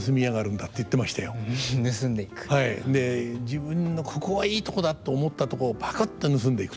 自分の「ここはいいとこだと思ったとこをぱくっと盗んでいく」と。